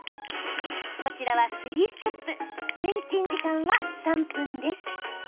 こちらは、３ステップレンチン時間は３分です。